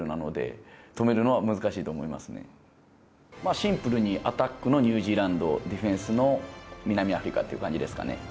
シンプルにアタックのニュージーランド、ディフェンスの南アフリカって感じですかね。